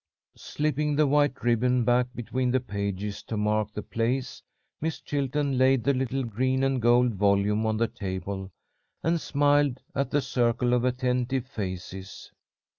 '_" Slipping the white ribbon back between the pages to mark the place, Miss Chilton laid the little green and gold volume on the table, and smiled at the circle of attentive faces.